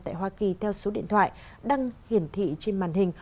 tại hoa kỳ theo số điện thoại đăng hiển thị trên màn hình